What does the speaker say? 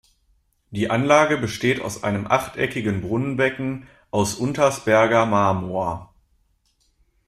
Die Anlage besteht aus einem achteckigen Brunnenbecken aus Untersberger Marmor.